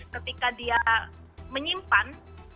ketika dia menyimpan